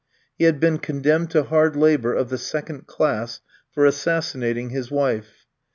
He had been condemned to hard labour of the second class for assassinating his wife.